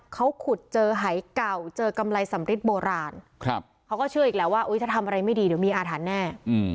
เขาขุดเจอหายเก่าเจอกำไรสำริดโบราณเขาก็เชื่ออีกแล้วว่าถ้าทำอะไรไม่ดีเดี๋ยวมีอาถรรพ์แน่